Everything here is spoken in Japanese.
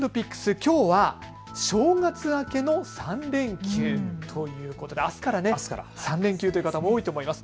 きょうは正月明けの３連休。ということで、あすから３連休という方、多いと思います。